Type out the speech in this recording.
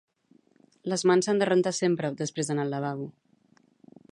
Les mans s'han de rentar sempre despres d'anar al lavabo